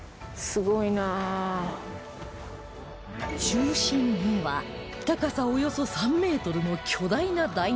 中心には高さおよそ３メートルの巨大な大日如来